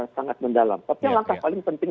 sangat mendalam tapi yang langkah paling penting